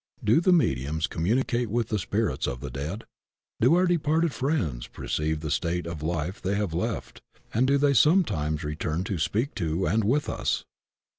Do the mediums communicate with the spirits of the dead? Do our departed friends perceive the state of life they have left, and do they sometimes return to speak to and with us?